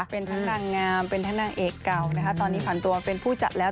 เป็นทั้งนางงามเป็นทั้งนางเอกเก่านะคะตอนนี้ฝันตัวเป็นผู้จัดแล้ว